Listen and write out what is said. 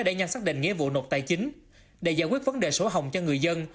để giải quyết vấn đề sổ hồng cho người dân